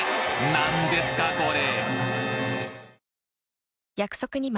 何ですかこれ！？